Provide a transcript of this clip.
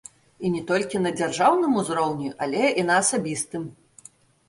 І не толькі на дзяржаўным узроўні, але і на асабістым.